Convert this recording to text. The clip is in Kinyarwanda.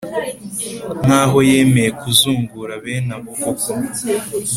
nk aho yemeye kuzungura bene abo koko